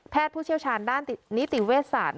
ผู้เชี่ยวชาญด้านนิติเวชศาสตร์